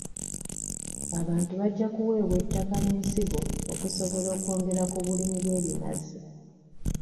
Abantu bajja kuweebwa ettaka n'ensigo okusobola okwongera ku bulimi bw'ebinazi.